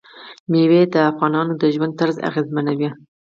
مېوې د افغانانو د ژوند طرز اغېزمنوي.